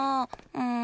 うん。